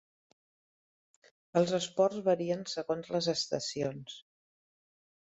Els esports varien segons les estacions.